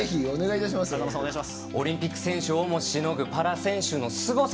オリンピック選手をもしのぐパラ選手のすごさ。